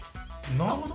なるほど。